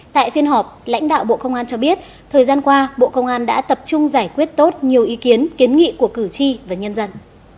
tại phiên họp lãnh đạo bộ công an cho biết thời gian qua bộ công an đã tập trung giải quyết tốt nhiều ý kiến kiến nghị của cử tri và nhân dân